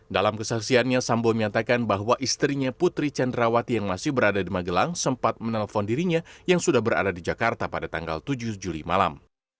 dalam kesaksiannya sambo menyatakan bahwa istrinya putri candrawati yang masih berada di magelang sempat menelpon dirinya yang sudah berada di jakarta pada tanggal tujuh juli malam